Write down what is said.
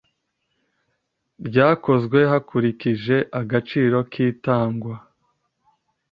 ryakozwe hakurikije agaciro k itangwa